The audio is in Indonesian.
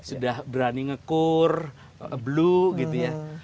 sudah berani ngekur blue gitu ya